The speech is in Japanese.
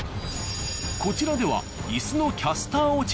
こちらでは。